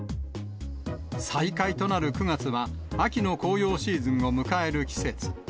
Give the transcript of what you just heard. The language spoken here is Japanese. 再開となる９月は、秋の紅葉シーズンを迎える季節。